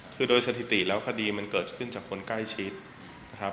คือโดยสถิติแล้วคดีมันเกิดขึ้นจากคนใกล้ชิดนะครับ